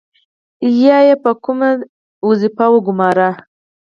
یا یې په کومه دنده وګمارئ.